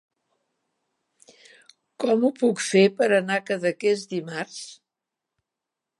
Com ho puc fer per anar a Cadaqués dimarts?